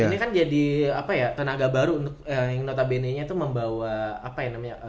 ini kan jadi apa ya tenaga baru untuk yang notabene nya itu membawa apa ya namanya